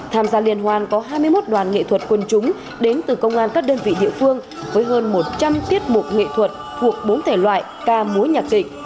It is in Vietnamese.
tham gia liên hoan có hai mươi một đoàn nghệ thuật quân chúng đến từ công an các đơn vị địa phương với hơn một trăm linh tiết mục nghệ thuật thuộc bốn thể loại ca múa nhạc kịch